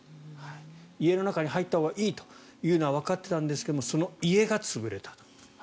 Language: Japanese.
家の中に入ったほうがいいというのはわかっていたんですけどその家が潰れたと。